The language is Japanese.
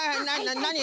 なに？